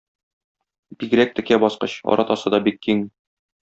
Бигрәк текә баскыч, аратасы да бик киң.